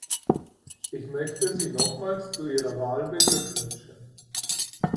Ich möchte Sie nochmals zu Ihrer Wahl beglückwünschen!